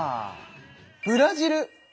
ブラジル。